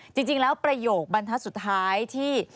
จริงแล้วประโยคบรรทัศน์สุดท้ายที่